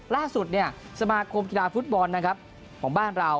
ล่าสุดสมาคมกีฬาฟุตบอลนะครับของบ้านเรา